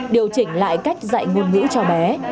điều chỉnh lại cách dạy ngôn ngữ cho bé